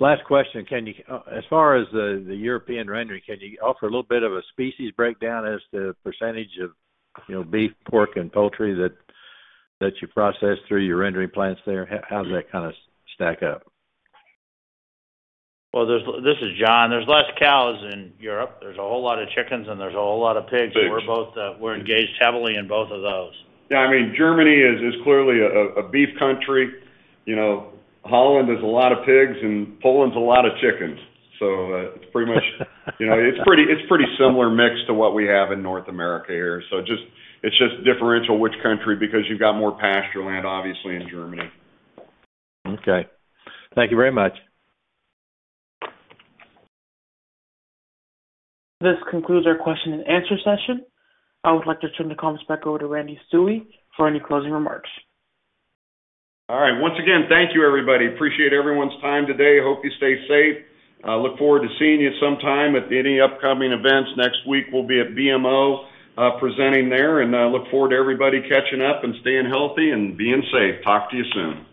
Last question. Can you, as far as the European rendering, can you offer a little bit of a species breakdown as to percentage of, you know, beef, pork and poultry that you process through your rendering plants there? How's that kinda stack up? Well, this is John. There's less cows in Europe. There's a whole lot of chickens, and there's a whole lot of pigs. Pigs. We're engaged heavily in both of those. Yeah, I mean, Germany is clearly a beef country. You know, Holland is a lot of pigs and Poland's a lot of chickens. You know, it's pretty similar mix to what we have in North America here. It's just different which country, because you've got more pasture land, obviously, in Germany. Okay. Thank you very much. This concludes our question and answer session. I would like to turn the comments back over to Randall Stuewe for any closing remarks. All right. Once again, thank you, everybody. Appreciate everyone's time today. Hope you stay safe. Look forward to seeing you sometime at any upcoming events. Next week we'll be at BMO, presenting there, and look forward to everybody catching up and staying healthy and being safe. Talk to you soon.